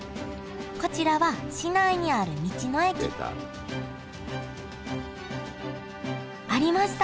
こちらは市内にある道の駅ありました！